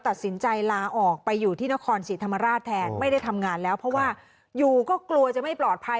ตัดสินใจลาออกไปอยู่ที่นครศรีธรรมราชแทนไม่ได้ทำงานแล้วเพราะว่าอยู่ก็กลัวจะไม่ปลอดภัย